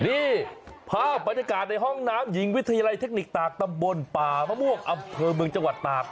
นี่ภาพบรรยากาศในห้องน้ำหญิงวิทยาลัยเทคนิคตากตำบลป่ามะม่วงอำเภอเมืองจังหวัดตาก